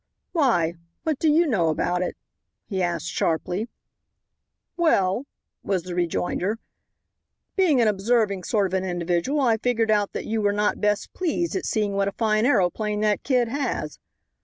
"Why, what do you know about it?" he asked, sharply. "Well," was the rejoinder, "being an observing sort of an individual I figured out that you were not best pleased at seeing what a fine aeroplane that kid has.